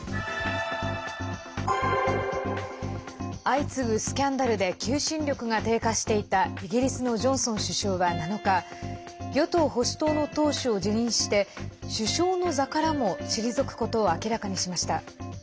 相次ぐスキャンダルで求心力が低下していたイギリスのジョンソン首相は７日与党・保守党の党首を辞任して首相の座からも退くことを明らかにしました。